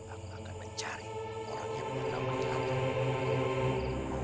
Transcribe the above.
aku akan mencari orang yang bernama ilatu